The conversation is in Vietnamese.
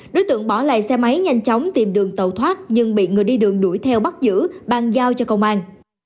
đối tượng bỏ lại xe máy nhanh chóng tìm đường tàu thoát nhưng bị người đi đường đuổi theo bắt giữ bàn giao cho công an